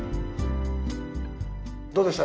どうでした？